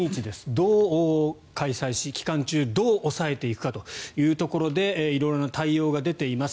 どう開催し期間中、どう抑えていくかというところで色々な対応が出ています。